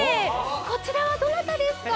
こちらはどなたですか？